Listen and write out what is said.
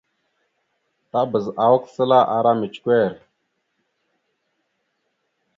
Tabaz awak səla ara micəkœr.